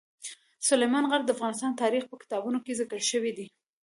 سلیمان غر د افغان تاریخ په کتابونو کې ذکر شوی دي.